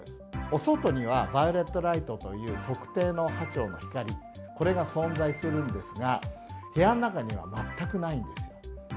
お外にはバイオレットライトという特定の波長の光、これが存在するんですが、部屋の中には全くないんです。